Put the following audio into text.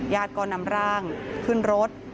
ญาติก็นำร่างขึ้นรถ